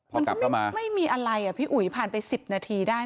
มันก็ไม่มีอะไรพี่อุ๋ยผ่านไป๑๐นาทีได้